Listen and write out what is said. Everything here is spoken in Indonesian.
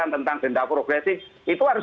tentang dendam progresi itu harus